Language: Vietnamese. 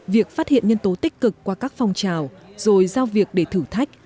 việc phát hiện nhân tố tích cực qua các phong trào rồi giao việc để thử thách